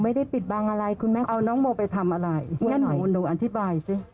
ปิดบังอะไรคุณแม่เอาน้องโมไปทำอะไรแน่นอนหนูอธิบายสิ